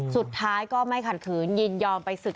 สุดท้ายก็ไม่ขัดขืนยินยอมไปศึก